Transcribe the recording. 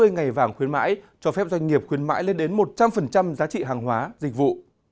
ba mươi ngày vàng khuyến mãi cho phép doanh nghiệp khuyến mãi lên đến một trăm linh giá trị hàng hóa dịch vụ